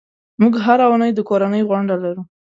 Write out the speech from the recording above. موږ هره اونۍ د کورنۍ غونډه لرو.